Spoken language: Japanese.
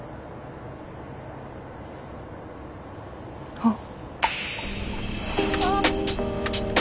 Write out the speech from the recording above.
あっ。